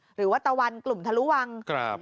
หรือว่าตะวันกลุ่มทะลุวัง